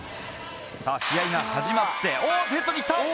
さぁ試合が始まっておっとヘッドに行った！